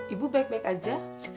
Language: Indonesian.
ibu baik baik saja